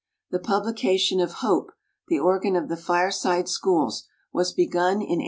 The publication of Hope, the organ of the Fireside Schools, was begun in 1885.